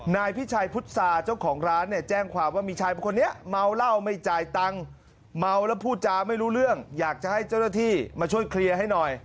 นายพิชัยพุทธศาเจ้าของร้านเนี่ยแจ้งความว่ามีชายคนนี้เมาเหล้าไม่จ่ายตังค์เมาแล้วพูดจาไม่รู้เรื่องอยากจะให้เจ้าหน้าที่มาช่วยเคลียร์ให้หน่อย